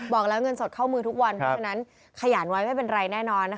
บอกแล้วเงินสดเข้ามือทุกวันเพราะฉะนั้นขยันไว้ไม่เป็นไรแน่นอนนะคะ